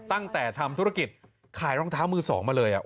ตั้งแต่ทำธุรกิจขายรองเท้ามือสองมาเลย